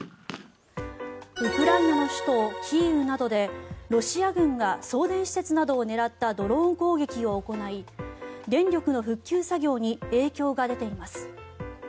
ウクライナの首都キーウなどでロシア軍が送電施設などを狙ったドローン攻撃を行い電力の復旧作業に影響が出ています。